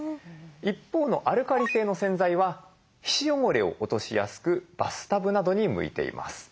一方のアルカリ性の洗剤は皮脂汚れを落としやすくバスタブなどに向いています。